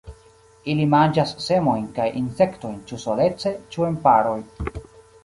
Ili manĝas semojn kaj insektojn ĉu solece ĉu en paroj.